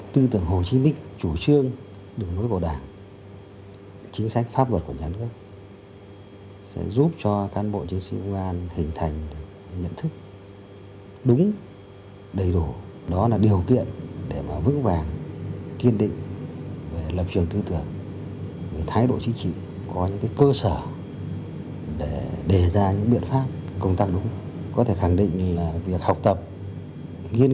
thiếu tướng phó giáo sư tiến sĩ trần vi dân đã dành thời gian trả lời phỏng vấn của truyền hình công an nhân dân